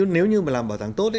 nếu như mà làm bảo tàng tốt